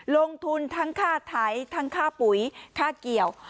ลงทุนทั้งค่าไถทั้งค่าปุ๋ยค่าเกี่ยว